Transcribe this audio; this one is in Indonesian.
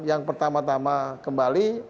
yang pertama tama kembali